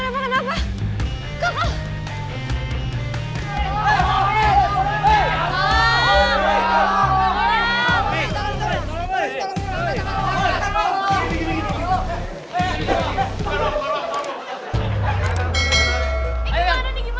biar aku yang bawa